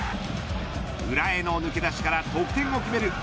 裏への抜け出しから得点を決める。